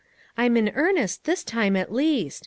I'm in earnest this time, at least.